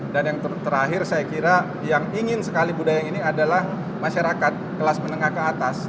dan yang terakhir saya kira yang ingin sekali budaya ini adalah masyarakat kelas menengah ke atas